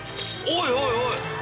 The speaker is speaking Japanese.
おいおいおい。